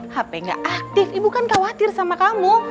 hp gak aktif ibu kan khawatir sama kamu